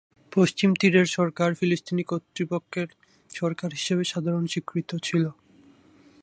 পশ্চিম তীরের সরকার ফিলিস্তিনি কর্তৃপক্ষের সরকার হিসাবে সাধারণত স্বীকৃত ছিল।